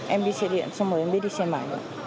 em đi xe điện xong rồi em biết đi xe máy rồi